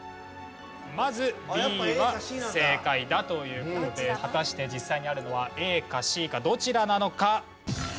まずＢは正解だという事で果たして実際にあるのはＡかＣかどちらなのか？